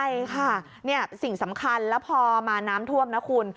ใช่ค่ะสิ่งสำคัญแล้วพอมาน้ำท่วมนะคุณ